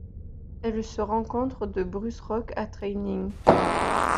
Elle se rencontre de Bruce Rock à Trayning.